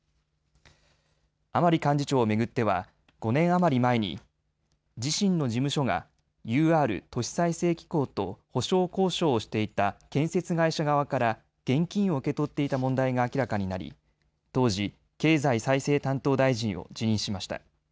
甘利幹事長を巡っては５年余り前に自身の事務所がＵＲ・都市再生機構と補償交渉をしていた建設会社側から現金を受け取っていた問題が明らかになり当時、経済再生担当大臣を辞任しました。